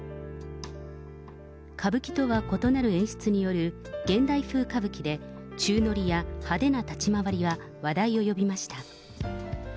歌舞伎とは異なる演出による現代風歌舞伎で、宙のりや派手な立ち回りが話題を呼びました。